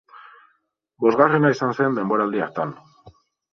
Bosgarrena izan zen denboraldi hartan.